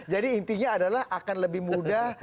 jadi intinya adalah akan lebih mudah